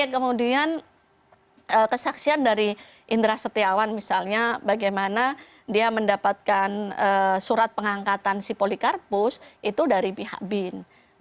kemudian kesaksian dari indra setiawan misalnya bagaimana dia mendapatkan surat pengangkatan si polikarpus itu dari pihak bin